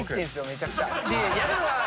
めちゃくちゃ。